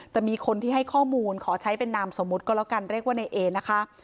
แต่มีคนที่ให้ข้อมูลขอใช้เป็นนามสมมุติก็แล้วกันเรียกว่าในเอนะคะ